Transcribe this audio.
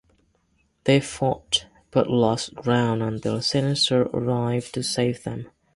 They fought but lost ground until Sinister arrived to save them.